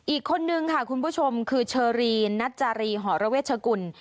อีกคนนึงค่ะคุณผู้ชมคือเชอรีนัจจารีหรเวชกุล